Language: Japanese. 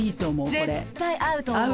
絶対合うと思う。